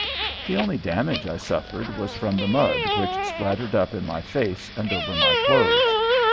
The only damage I suffered was from the mud which splattered up in my face and over my clothes.